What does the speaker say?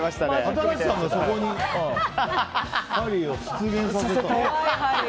新子さんがそこにハリーを出現させた。